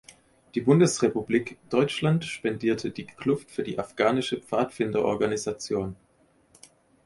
Die Bundesrepublik Deutschland spendierte die Kluft für die afghanische Pfadfinderorganisation.